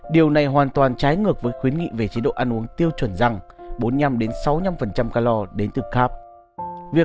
điều này hoàn toàn trái ngược với khuyến nghị về chế độ ăn uống tiêu chuẩn răng bốn mươi năm sáu mươi năm calor đến từ khap